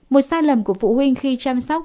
một sai lầm của phụ huynh khi chăm sóc